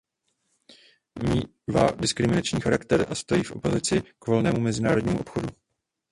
Mívá diskriminační charakter a stojí v opozici k volnému mezinárodnímu obchodu.